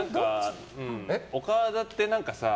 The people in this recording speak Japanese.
岡田って何かさ